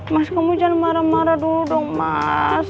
mas kamu jangan marah marah dulu dong mas